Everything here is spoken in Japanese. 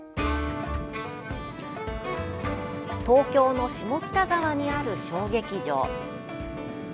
東京の下北沢にある小劇場。